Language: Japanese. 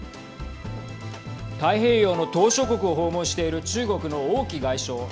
太平洋の島しょ国を訪問している中国の王毅外相。